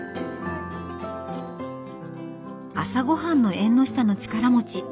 朝ごはんの「縁の下の力持ち」。